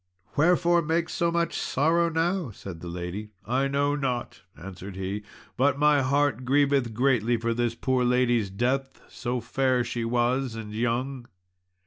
"Wherefore make so much sorrow now?" said the lady. "I know not," answered he, "but my heart grieveth greatly for this poor lady's death, so fair she was and young."